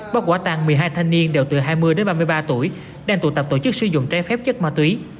bắt quả tăng một mươi hai thanh niên đều từ hai mươi đến ba mươi ba tuổi đang tụ tập tổ chức sử dụng trái phép chất ma túy